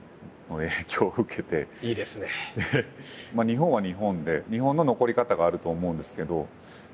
日本は日本で日本の残り方があると思うんですけど。